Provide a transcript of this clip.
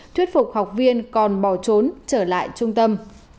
thuyết phục học viên còn bỏ trốn trở lại trung tâm